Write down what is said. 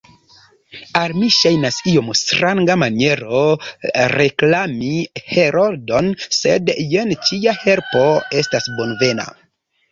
Al mi ŝajnas iom stranga maniero reklami Heroldon, sed jen ĉia helpo estas bonvena.